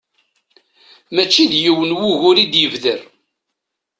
Mačči d yiwen wugur i d-yebder.